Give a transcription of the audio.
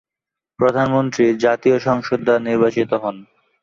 প্রধানমন্ত্রী জাতীয় সংসদ দ্বারা নির্বাচিত হন।